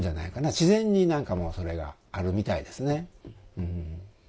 自然にそれがあるみたいですね）